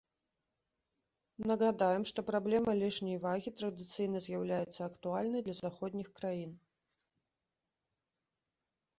Нагадаем, што праблема лішняй вагі традыцыйна з'яўляецца актуальнай для заходніх краін.